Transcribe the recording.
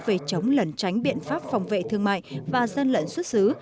về chống lẩn tránh biện pháp phòng vệ thương mại và gian lận xuất xứ